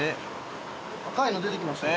赤いの出てきましたよ。